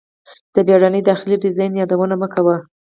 د بیړني داخلي ډیزاین یادونه مه کوئ